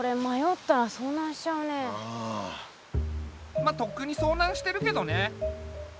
まっとっくにそうなんしてるけどね。